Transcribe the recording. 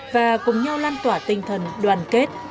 và cùng nhau lan tỏa tinh thần đoàn kết